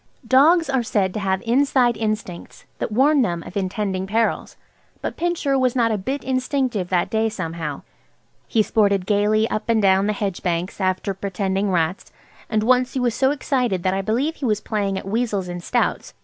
Dogs are said to have inside instincts that warn them of intending perils, but Pincher was not a bit instinctive that day somehow. He sported gaily up and down the hedge banks after pretending rats, and once he was so excited that I believe he was playing at weasels and stoats.